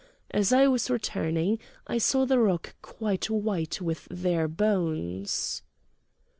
As I was returning I saw the rock quite white with their bones!"